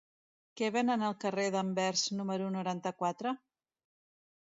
Què venen al carrer d'Anvers número noranta-quatre?